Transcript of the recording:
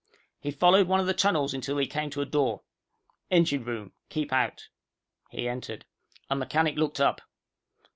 He followed one of the tunnels until he came to a door: ENGINE ROOM KEEP OUT. He entered. A mechanic looked up.